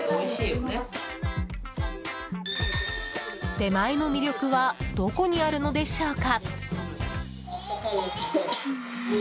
出前の魅力はどこにあるのでしょうか。